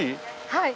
はい。